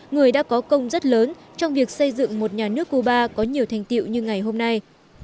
người đã có công rất lớn trong việc xây dựng một nhà nước cuba có nhiều thành tiệu như ngày hôm nay